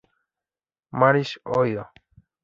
Marys, Ohio.